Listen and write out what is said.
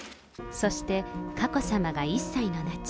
そして、佳子さまが１歳の夏。